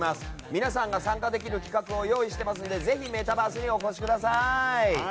皆さんが参加できる企画を用意していますのでぜひメタバースにお越しください。